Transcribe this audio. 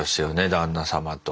旦那様と。